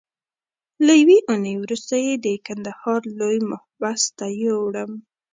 له یوې اونۍ وروسته یې د کندهار لوی محبس ته یووړم.